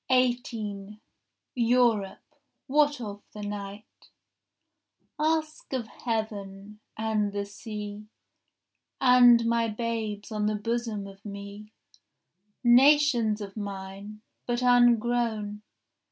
18 Europe, what of the night?— Ask of heaven, and the sea, And my babes on the bosom of me, Nations of mine, but ungrown.